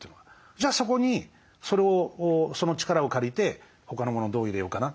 じゃあそこにその力を借りて他のものをどう入れようかな。